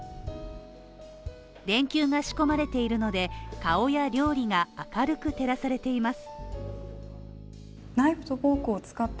電球が仕込まれているので、顔や料理が明るく照らされています。